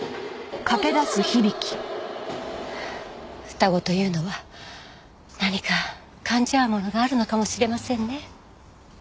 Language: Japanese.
双子というのは何か感じ合うものがあるのかもしれませんね。